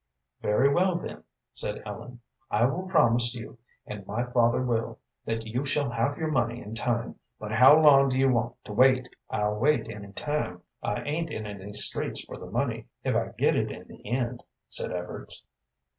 "Very well, then," said Ellen. "I will promise you, and my father will, that you shall have your money in time, but how long do you want to wait?" "I'll wait any time. I ain't in any straits for the money, if I get it in the end," said Evarts.